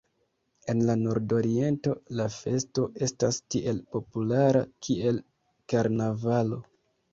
En la Nordoriento, la festo estas tiel populara kiel karnavalo.